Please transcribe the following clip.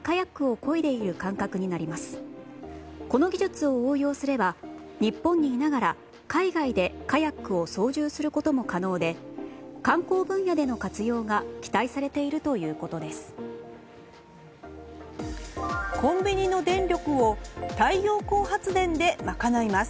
この技術を応用すれば日本にいながら海外でカヤックを操縦することも可能で観光分野での活用が期待されているということです。